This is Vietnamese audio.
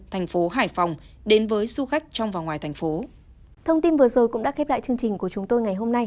thành phố hải phòng đến với du khách trong và ngoài thành phố